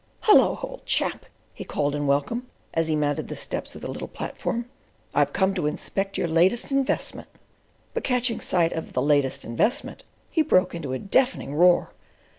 "Hullo! old chap!" he called in welcome, as he mounted the steps of the little platform, "I've come to inspect your latest investment"; but catching sight of the "latest investment" he broke into a deafening roar.